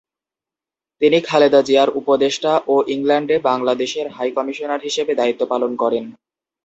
তিনি খালেদা জিয়ার উপদেষ্টা ও ইংল্যান্ডে বাংলাদেশের হাইকমিশনার হিসেবে দায়িত্ব পালন করেন।